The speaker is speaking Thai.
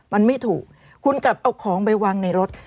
มันไม่ถูกคุณกลับเอาของไปวางในรถ